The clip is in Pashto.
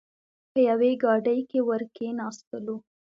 په یوې ګاډۍ کې ور کېناستلو.